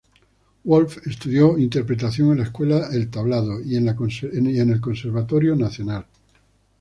Wolf estudió interpretación en la escuela El Tablado y en el Conservatorio Nacional.